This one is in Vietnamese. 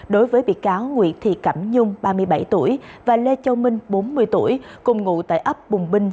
đối với bị cáo nguyễn thị cẩm nhung và lê châu minh cùng ngụ tại ấp bùng minh